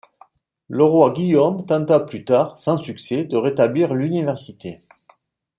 Le roi Guillaume tenta plus tard, sans succès, de rétablir l’université.